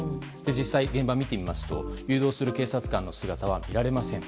実際に現場を見てみますと誘導する警察官の姿は見られません。